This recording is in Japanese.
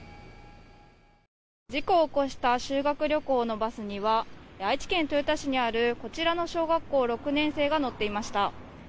事故を起こした修学旅行のバスには愛知県豊田市にあるこちらの小学校６年生が乗っていました。